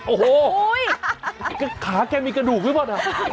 โอ้โหขาแกมีกระดูกด้วยบ่นอะ